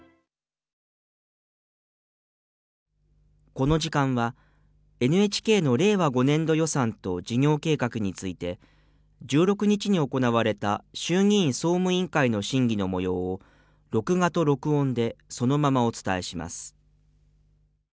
この時間は、ＮＨＫの令和５年度予算と事業計画について、１６日に行われた衆議院総務委員会の審議の模様を、録画と録音で、そのままお伝えします。